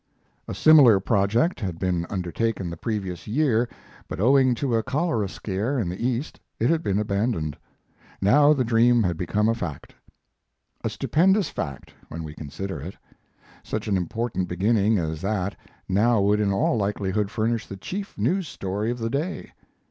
A similar project had been undertaken the previous year, but owing to a cholera scare in the East it had been abandoned. Now the dream had become a fact a stupendous fact when we consider it. Such an important beginning as that now would in all likelihood furnish the chief news story of the day.